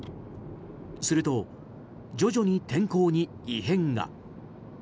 すると、徐々に天候に異変が。